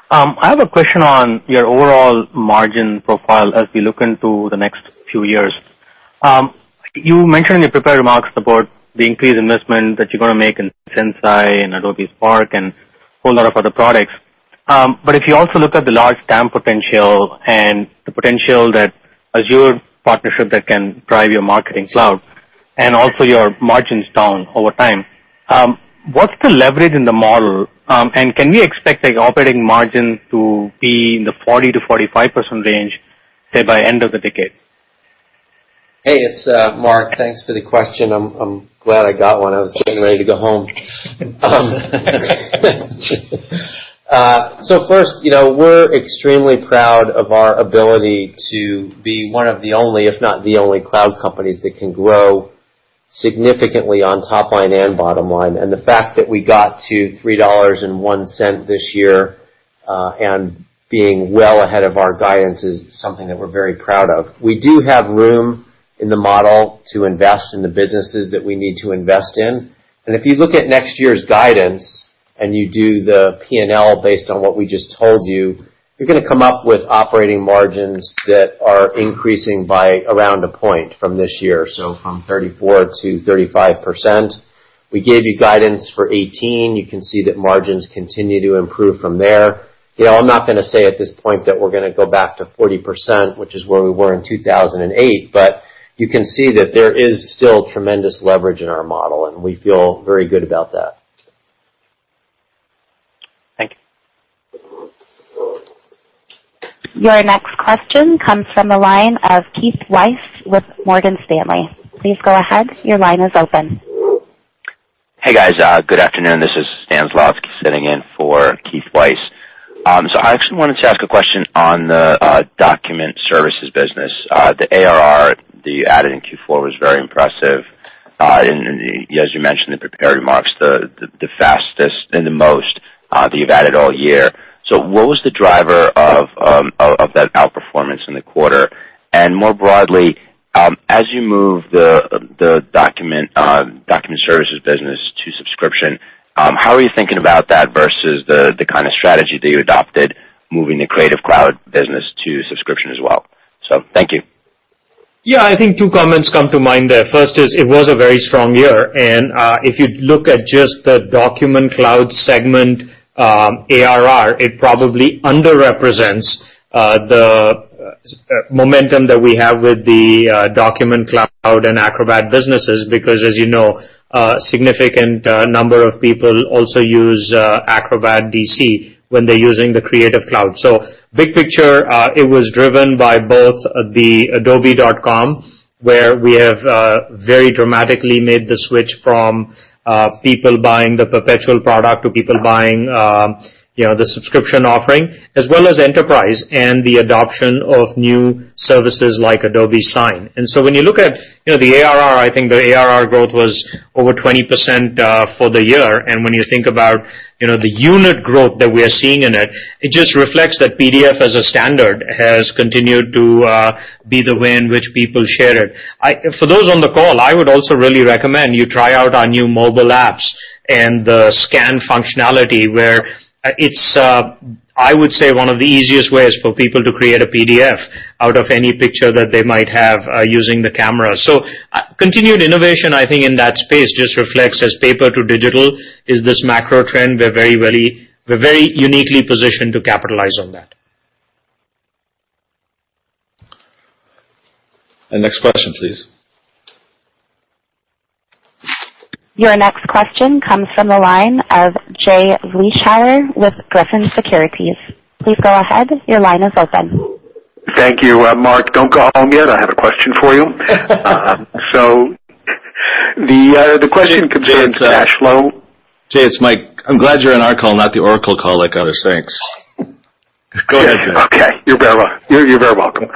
I have a question on your overall margin profile as we look into the next few years. You mentioned in your prepared remarks about the increased investment that you're going to make in Sensei and Adobe Spark and a whole lot of other products. If you also look at the large TAM potential and the potential that Azure partnership that can drive your Marketing Cloud and also your margins down over time, what's the leverage in the model? Can we expect the operating margin to be in the 40%-45% range, say by end of the decade? Hey, it's Mark. Thanks for the question. I'm glad I got one. I was getting ready to go home. First, we're extremely proud of our ability to be one of the only, if not the only cloud companies that can grow significantly on top line and bottom line. The fact that we got to $3.01 this year, and being well ahead of our guidance is something that we're very proud of. We do have room in the model to invest in the businesses that we need to invest in. If you look at next year's guidance, and you do the P&L based on what we just told you're going to come up with operating margins that are increasing by around one point from this year, so from 34%-35%. We gave you guidance for 2018. You can see that margins continue to improve from there. I'm not going to say at this point that we're going to go back to 40%, which is where we were in 2008, you can see that there is still tremendous leverage in our model, and we feel very good about that. Thank you. Your next question comes from the line of Keith Weiss with Morgan Stanley. Please go ahead. Your line is open. Hey, guys. Good afternoon. This is Stan Zlotsky, sitting in for Keith Weiss. I actually wanted to ask a question on the Document Services business. The ARR that you added in Q4 was very impressive, and as you mentioned in the prepared remarks, the fastest and the most that you've added all year. What was the driver of that outperformance in the quarter? And more broadly, as you move the Document Services business to subscription, how are you thinking about that versus the kind of strategy that you adopted moving the Creative Cloud business to subscription as well? Thank you. I think two comments come to mind there. First is, it was a very strong year, and if you look at just the Document Cloud segment ARR, it probably underrepresents the momentum that we have with the Document Cloud and Acrobat businesses because as you know, a significant number of people also use Acrobat DC when they're using the Creative Cloud. Big picture, it was driven by both the adobe.com, where we have very dramatically made the switch from people buying the perpetual product to people buying the subscription offering, as well as enterprise and the adoption of new services like Adobe Sign. When you look at the ARR, I think the ARR growth was over 20% for the year. When you think about the unit growth that we are seeing in it just reflects that PDF as a standard has continued to be the way in which people share it. For those on the call, I would also really recommend you try out our new mobile apps and the scan functionality, where it's, I would say, one of the easiest ways for people to create a PDF out of any picture that they might have using the camera. Continued innovation, I think, in that space just reflects as paper to digital is this macro trend. We're very uniquely positioned to capitalize on that. The next question, please. Your next question comes from the line of Jay Vleeschhouwer with Griffin Securities. Please go ahead. Your line is open. Thank you. Mark, don't go home yet, I have a question for you. The question concerns cash flow. Jay, it's Mike. I'm glad you're on our call, not the Oracle call like others. Thanks. Go ahead, Jay. You're very welcome.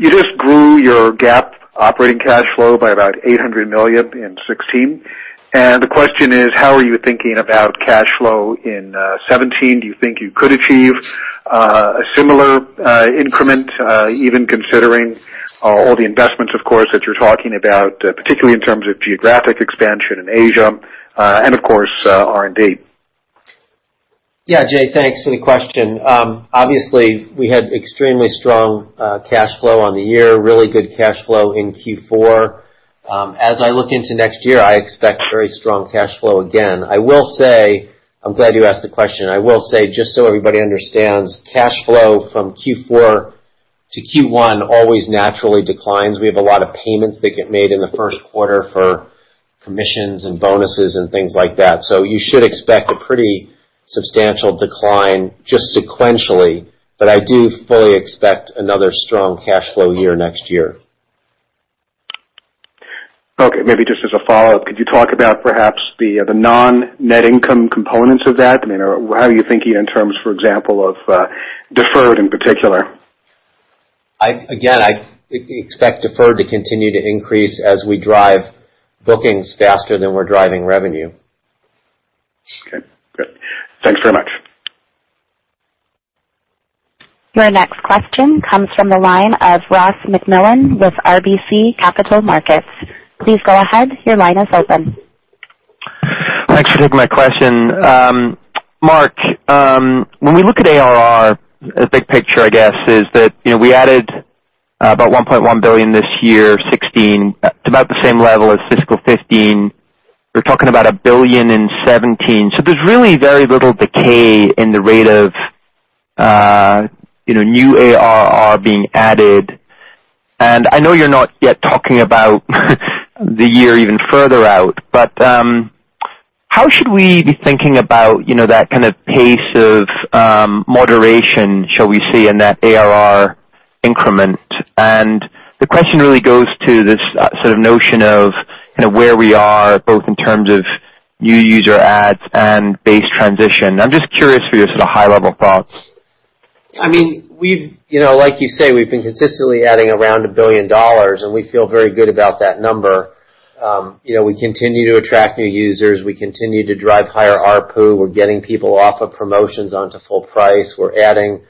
You just grew your GAAP operating cash flow by about $800 million in 2016. The question is, how are you thinking about cash flow in 2017? Do you think you could achieve a similar increment, even considering all the investments, of course, that you're talking about, particularly in terms of geographic expansion in Asia, and of course, R&D? Yeah, Jay, thanks for the question. Obviously, we had extremely strong cash flow on the year, really good cash flow in Q4. As I look into next year, I expect very strong cash flow again. I'm glad you asked the question. I will say, just everybody understands, cash flow from Q4 to Q1 always naturally declines. We have a lot of payments that get made in the first quarter for commissions and bonuses and things like that. You should expect a pretty substantial decline just sequentially. I do fully expect another strong cash flow year next year. Okay. Maybe just as a follow-up, could you talk about perhaps the non-net income components of that? How are you thinking in terms, for example, of deferred in particular? I expect deferred to continue to increase as we drive bookings faster than we're driving revenue. Great. Thanks very much. Your next question comes from the line of Ross MacMillan with RBC Capital Markets. Please go ahead. Your line is open. Thanks for taking my question. Mark, when we look at ARR, the big picture, I guess, is that we added about $1.1 billion this year, 2016. It's about the same level as fiscal 2015. We're talking about $1 billion in 2017. There's really very little decay in the rate of new ARR being added. I know you're not yet talking about the year even further out, but how should we be thinking about that kind of pace of moderation, shall we say, in that ARR Increment. The question really goes to this sort of notion of where we are, both in terms of new user adds and base transition. I'm just curious for your sort of high-level thoughts. Like you say, we've been consistently adding around $1 billion. We feel very good about that number. We continue to attract new users. We continue to drive higher ARPU. We're getting people off of promotions onto full price. We're adding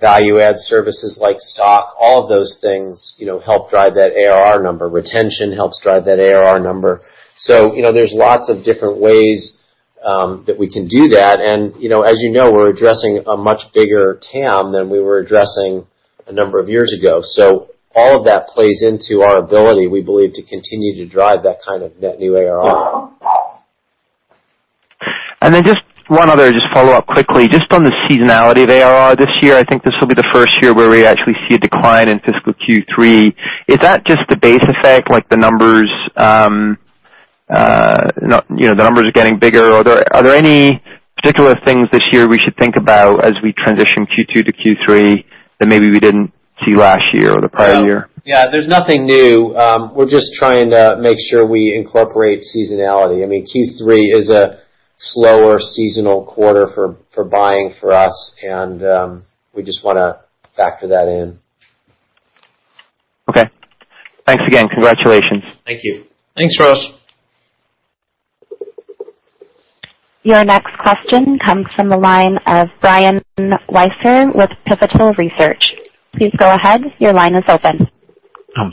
value-add services like Adobe Stock. All of those things help drive that ARR number. Retention helps drive that ARR number. There's lots of different ways that we can do that. As you know, we're addressing a much bigger TAM than we were addressing a number of years ago. All of that plays into our ability, we believe, to continue to drive that kind of net new ARR. Just one other, just to follow up quickly, just on the seasonality of ARR this year. I think this will be the first year where we actually see a decline in fiscal Q3. Is that just a base effect, like the numbers are getting bigger? Are there any particular things this year we should think about as we transition Q2 to Q3 that maybe we didn't see last year or the prior year? Yeah. There's nothing new. We're just trying to make sure we incorporate seasonality. Q3 is a slower seasonal quarter for buying for us, and we just want to factor that in. Okay. Thanks again. Congratulations. Thank you. Thanks, Ross. Your next question comes from the line of Brian Wieser with Pivotal Research. Please go ahead. Your line is open.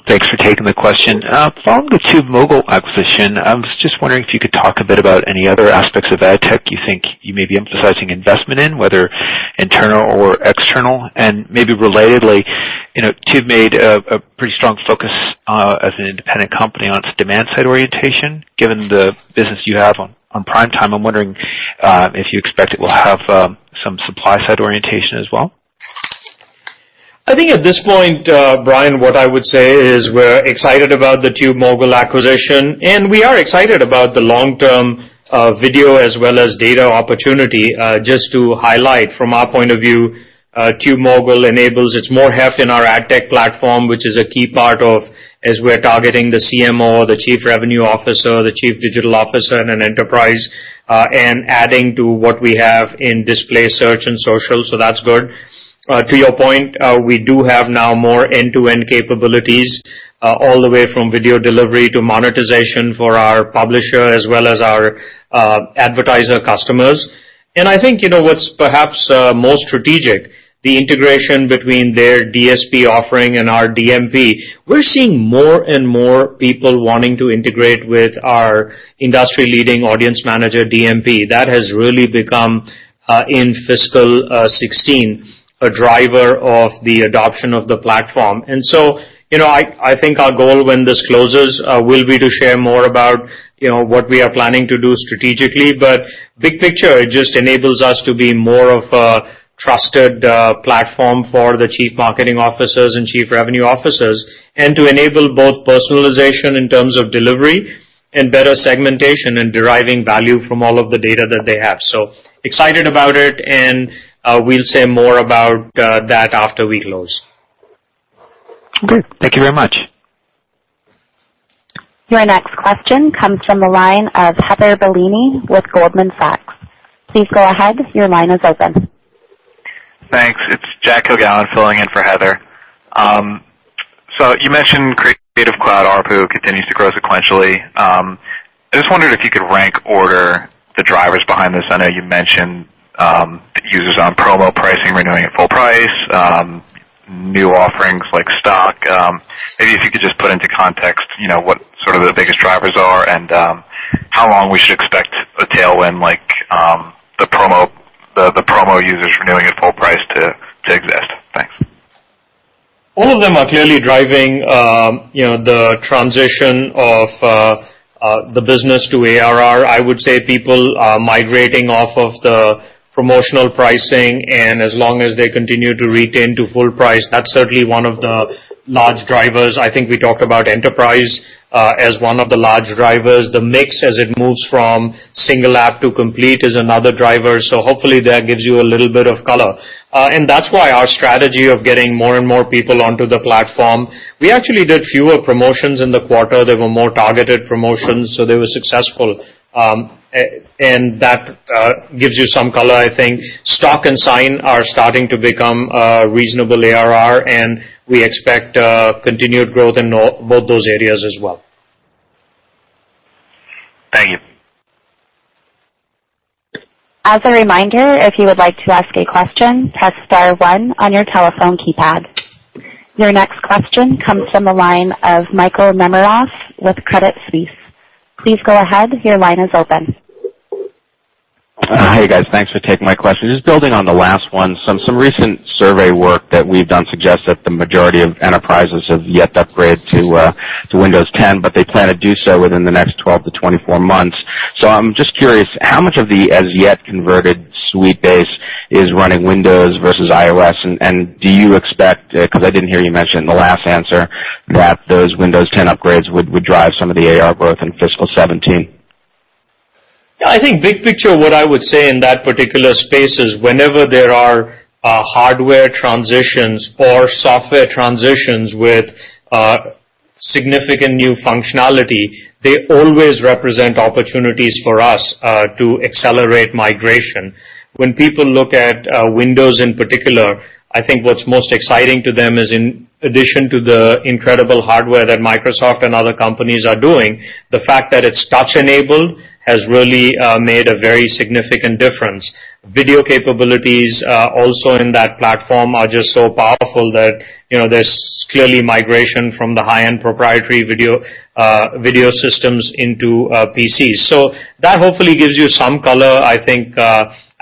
Thanks for taking the question. Following the TubeMogul acquisition, I was just wondering if you could talk a bit about any other aspects of ad tech you think you may be emphasizing investment in, whether internal or external. Maybe relatedly, Tube made a pretty strong focus as an independent company on its demand-side orientation. Given the business you have on Primetime, I'm wondering if you expect it will have some supply-side orientation as well. I think at this point, Brian, what I would say is we're excited about the TubeMogul acquisition, and we are excited about the long-term video as well as data opportunity. Just to highlight from our point of view, TubeMogul enables, it's more heft in our ad tech platform, which is a key part of as we're targeting the CMO, the Chief Revenue Officer, the Chief Digital Officer in an enterprise, and adding to what we have in display search and social. That's good. To your point, we do have now more end-to-end capabilities all the way from video delivery to monetization for our publisher as well as our advertiser customers. I think what's perhaps most strategic, the integration between their DSP offering and our DMP. We're seeing more and more people wanting to integrate with our industry-leading Audience Manager DMP. That has really become, in fiscal 2016, a driver of the adoption of the platform. I think our goal when this closes will be to share more about what we are planning to do strategically. Big picture, it just enables us to be more of a trusted platform for the Chief Marketing Officers and Chief Revenue Officers and to enable both personalization in terms of delivery and better segmentation and deriving value from all of the data that they have. Excited about it, and we'll say more about that after we close. Okay. Thank you very much. Your next question comes from the line of Heather Bellini with Goldman Sachs. Please go ahead. Your line is open. Thanks. It's Jack Hilgallen filling in for Heather. You mentioned Creative Cloud ARPU continues to grow sequentially. I just wondered if you could rank order the drivers behind this. I know you mentioned users on promo pricing renewing at full price, new offerings like Stock. Maybe if you could just put into context what sort of the biggest drivers are and how long we should expect a tailwind like the promo users renewing at full price to exist. Thanks. All of them are clearly driving the transition of the business to ARR. I would say people migrating off of the promotional pricing, and as long as they continue to retain to full price, that's certainly one of the large drivers. I think we talked about enterprise as one of the large drivers. The mix as it moves from single app to complete is another driver. Hopefully, that gives you a little bit of color. That's why our strategy of getting more and more people onto the platform. We actually did fewer promotions in the quarter. They were more targeted promotions, so they were successful. That gives you some color, I think. Stock and Sign are starting to become a reasonable ARR, and we expect continued growth in both those areas as well. Thank you. As a reminder, if you would like to ask a question, press star one on your telephone keypad. Your next question comes from the line of Michael Nemeroff with Credit Suisse. Please go ahead. Your line is open. Hey, guys. Thanks for taking my question. Just building on the last one. Some recent survey work that we've done suggests that the majority of enterprises have yet to upgrade to Windows 10, but they plan to do so within the next 12 to 24 months. I'm just curious, how much of the as-yet-converted suite base is running Windows versus macOS? Do you expect, because I didn't hear you mention in the last answer, that those Windows 10 upgrades would drive some of the AR growth in fiscal 2017? Yeah, I think big picture, what I would say in that particular space is whenever there are hardware transitions or software transitions with significant new functionality, they always represent opportunities for us to accelerate migration. When people look at Windows in particular, I think what's most exciting to them is in addition to the incredible hardware that Microsoft and other companies are doing, the fact that it's touch-enabled has really made a very significant difference. Video capabilities, also in that platform, are just so powerful that there's clearly migration from the high-end proprietary video systems into PCs. That hopefully gives you some color. I think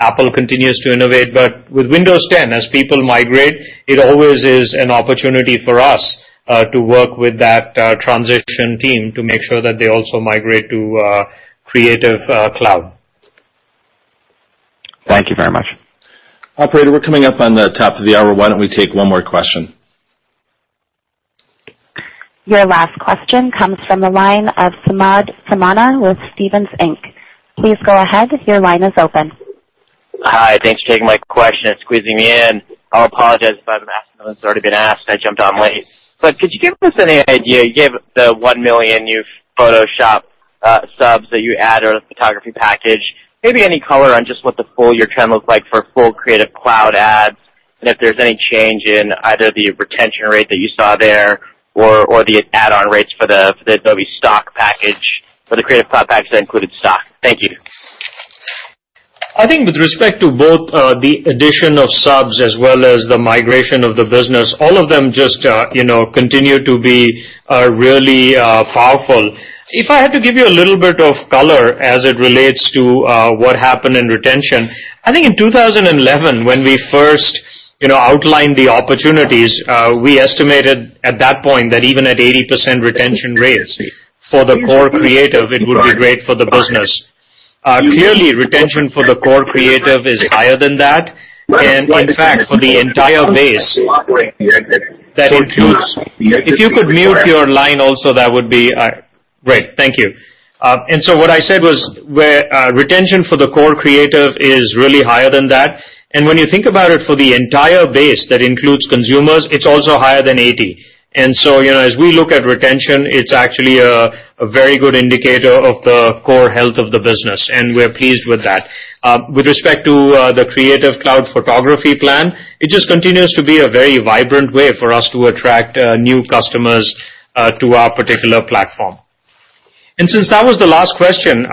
Apple continues to innovate, but with Windows 10, as people migrate, it always is an opportunity for us to work with that transition team to make sure that they also migrate to Creative Cloud. Thank you very much. Operator, we're coming up on the top of the hour. Why don't we take one more question? Your last question comes from the line of Samad Samana with Stephens Inc. Please go ahead. Your line is open. Hi, thanks for taking my question and squeezing me in. I apologize about the last one that's already been asked, I jumped on late. Could you give us any idea, you gave the 1 million new Photoshop subs that you add or the photography package, maybe any color on just what the full year trend looks like for full Creative Cloud adds, and if there's any change in either the retention rate that you saw there or the add-on rates for the Adobe Stock package for the Creative Cloud packs that included Stock. Thank you. I think with respect to both the addition of subs as well as the migration of the business, all of them just continue to be really powerful. If I had to give you a little bit of color as it relates to what happened in retention, I think in 2011, when we first outlined the opportunities, we estimated at that point that even at 80% retention rates for the core creative, it would be great for the business. Clearly, retention for the core creative is higher than that. If you could mute your line also, that would be great. Thank you. What I said was retention for the core creative is really higher than that. When you think about it for the entire base, that includes consumers, it's also higher than 80. As we look at retention, it's actually a very good indicator of the core health of the business, and we're pleased with that. With respect to the Creative Cloud Photography Plan, it just continues to be a very vibrant way for us to attract new customers to our particular platform. Since that was the last question,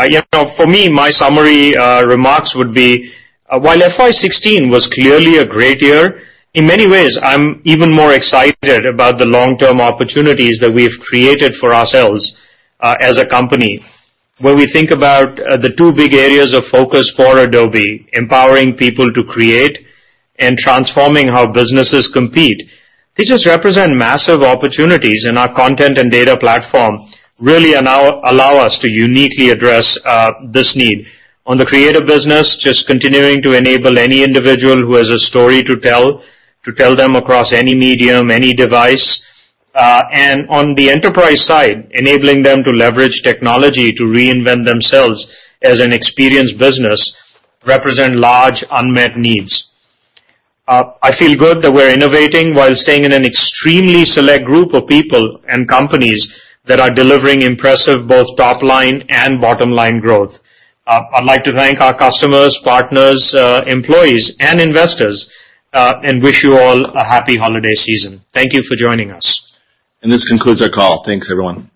for me, my summary remarks would be while FY 2016 was clearly a great year, in many ways, I'm even more excited about the long-term opportunities that we've created for ourselves as a company. When we think about the two big areas of focus for Adobe, empowering people to create and transforming how businesses compete, they just represent massive opportunities, and our content and data platform really allow us to uniquely address this need. On the creative business, just continuing to enable any individual who has a story to tell, to tell them across any medium, any device. On the enterprise side, enabling them to leverage technology to reinvent themselves as an experienced business represent large unmet needs. I feel good that we're innovating while staying in an extremely select group of people and companies that are delivering impressive both top-line and bottom-line growth. I'd like to thank our customers, partners, employees, and investors, and wish you all a happy holiday season. Thank you for joining us. This concludes our call. Thanks, everyone.